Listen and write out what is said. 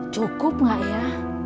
cukup gak ya